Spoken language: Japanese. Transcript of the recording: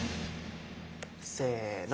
せの。